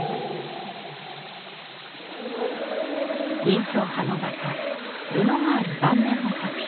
印象派の画家ルノワール晩年の作品。